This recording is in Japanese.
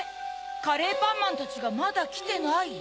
カレーパンマンたちがまだきてない？